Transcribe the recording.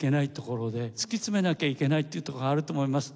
突き詰めなきゃいけないっていうとこがあると思います。